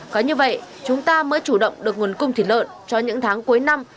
có như vậy chúng ta mới chủ động được nguồn cung thịt lợn cho những tháng cuối năm